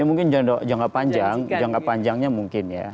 ya mungkin jangka panjang jangka panjangnya mungkin ya